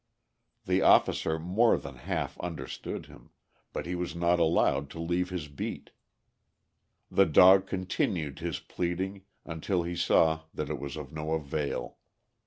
The officer more than half understood him, but he was not allowed to leave his beat. The dog continued his pleading until he saw that it was of no avail.